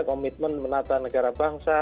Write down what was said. komitmen menata negara bangsa